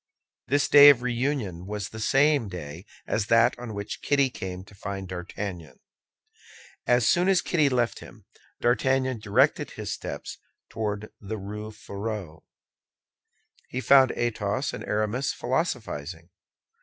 This day of reunion was the same day as that on which Kitty came to find D'Artagnan. Soon as Kitty left him, D'Artagnan directed his steps toward the Rue Férou. He found Athos and Aramis philosophizing.